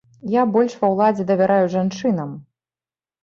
Я больш ва ўладзе давяраю жанчынам.